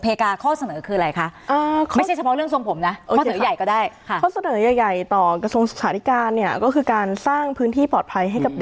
เพลกาข้อเสนอคือไงคะ